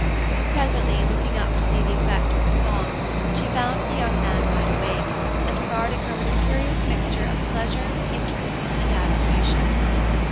Presently, looking up to see the effect of her song, she found the young man wide awake, and regarding her with a curious mixture of pleasure, interest, and admiration.